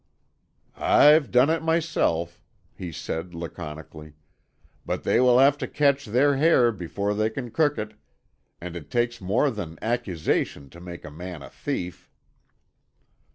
"I've done it myself," he said laconically. "But they will have to catch their hare before they can cook it; and it takes more than accusation to make a man a thief."